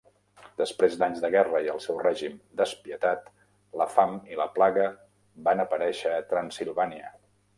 Després d'anys de guerra i el seu règim despietat, la fam i la plaga van aparèixer a Transsilvània.